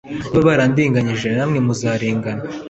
niba bandenganyije namwe muzarengana